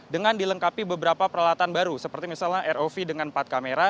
dengan dilengkapi beberapa peralatan baru seperti misalnya rov dengan empat kamera